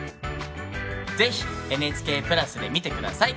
是非ＮＨＫプラスで見て下さい。